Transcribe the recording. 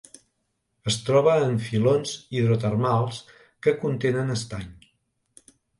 Es troba en filons hidrotermals que contenen estany.